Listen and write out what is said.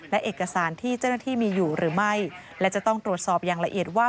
และเอกสารที่เจ้าหน้าที่มีอยู่หรือไม่และจะต้องตรวจสอบอย่างละเอียดว่า